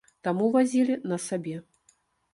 Таму вазілі на сабе.